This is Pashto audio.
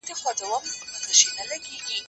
زه به بوټونه پاک کړي وي